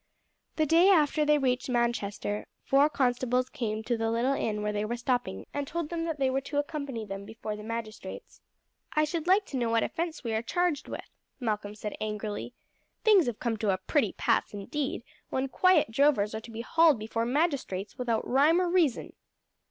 The day after they reached Manchester four constables came to the little inn where they were stopping and told them that they were to accompany them before the magistrates. "I should like to know what offence we are charged with," Malcolm said angrily. "Things have come to a pretty pass, indeed, when quiet drovers are to be hauled before magistrates without rhyme or reason."